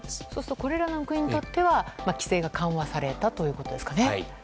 これらの国にとっては規制が緩和されたということですかね。